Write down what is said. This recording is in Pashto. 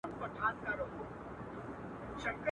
چي د بل پر وزرونو یې تکیه وي !.